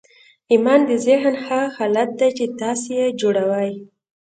ایمان د ذهن هغه حالت دی چې تاسې یې جوړوئ